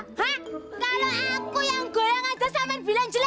kalau aku yang goyang aja sampe bilang jelek